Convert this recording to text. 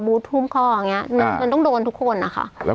บู๊ตภูมิคออย่างเงี้ยอ่ามันต้องโดนทุกคนอะค่ะแล้ว